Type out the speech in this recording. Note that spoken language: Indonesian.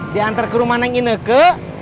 dianter ke rumah ineke